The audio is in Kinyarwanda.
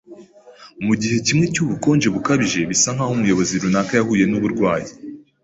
Mu gihe kimwe cy’ubukonje bukabije, bisa nk’aho umuyobozi runaka yahuye n’uburwayi,